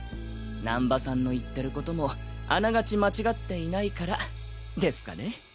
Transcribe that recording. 難波さんの言ってることもあながち間違っていないからですかね。